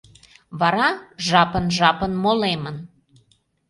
Вара, жапын-жапын молемын